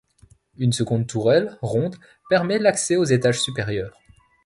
Une seconde tourelle, ronde, permet l'accès aux étages supérieurs.